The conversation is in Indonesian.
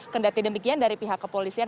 kendati demikian dari pihak kepolisian